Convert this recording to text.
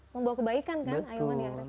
membawa kebaikan kan ahilman